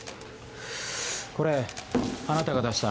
これあなたが出した？